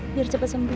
biar cepat sembuh